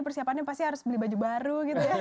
persiapannya pasti harus beli baju baru gitu ya